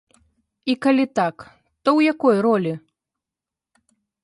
І калі так, то ў якой ролі?